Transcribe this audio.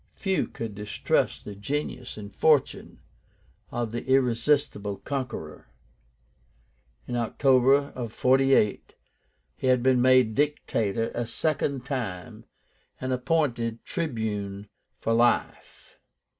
Few could distrust the genius and fortune of the irresistible conqueror. In October of 48 he had been made Dictator a second time, and appointed Tribune for life.